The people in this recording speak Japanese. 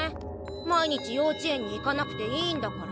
毎日幼稚園に行かなくていいんだから。